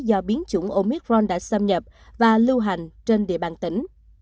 do biến chủng omicron đã xâm nhập và lưu hành trên địa bàn tỉnh